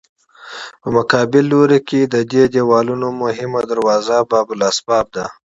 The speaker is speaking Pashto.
په مقابل لوري کې د دې دیوالونو مهمه دروازه باب الاسباب ده.